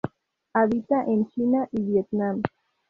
Habita en China y Vietnam.